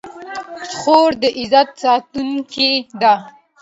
خور د عزت ساتونکې ده.